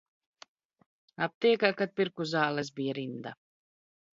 Aptiekā, kad pirku zāles, bija rinda.